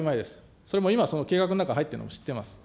それも今、その計画の中に入ってるのも知ってます。